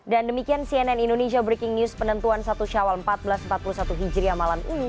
dan demikian cnn indonesia breaking news penentuan satu syawal seribu empat ratus empat puluh satu hijriah malam ini